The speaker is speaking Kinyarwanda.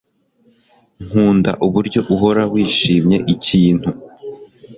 Nkunda uburyo uhora wishimye ikintu